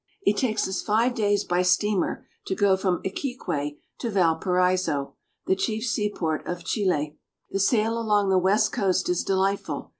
IT takes us five days by steamer to go from Iquique to Valparaiso (val pa ri'so), the chief seaport of Chile. The sail along the west coast is delightful.